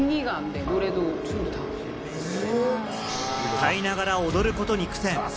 歌いながら踊ることに苦戦。